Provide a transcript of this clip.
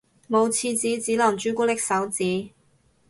冇廁紙只能朱古力手指